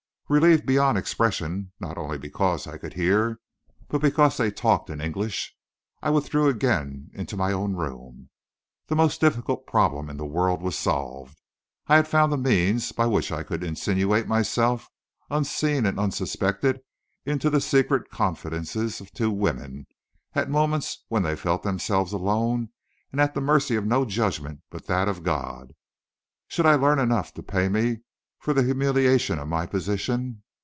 Relieved beyond expression, not only because I could hear, but because they talked in English, I withdrew again into my own room. The most difficult problem in the world was solved. I had found the means by which I could insinuate myself, unseen and unsuspected, into the secret confidences of two women, at moments when they felt themselves alone and at the mercy of no judgment but that of God. Should I learn enough to pay me for the humiliation of my position?